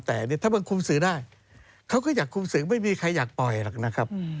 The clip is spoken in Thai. แต่ถ้ามันคุมสื่อได้เขาก็อยากคุมสื่อไม่มีใครอยากปล่อยหรอกนะครับ